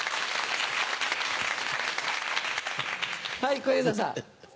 はい小遊三さん。